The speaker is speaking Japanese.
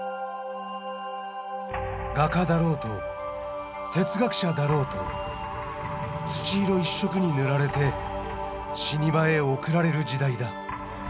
「画家だろうと哲学者だろうと土色一色にぬられて死場へ送られる時代だ。